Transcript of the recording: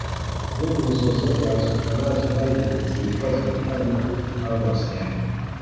Nguvu zozote alizokuwa nazo laibon zilikuwa zimetokana na utu au nafsi yake